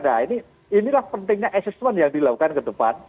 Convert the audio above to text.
nah ini inilah pentingnya asesmen yang dilakukan ke depan